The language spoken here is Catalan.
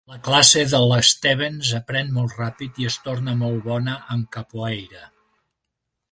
La classe del Stevens aprèn molt ràpid i es torna molt bona en Capoeira.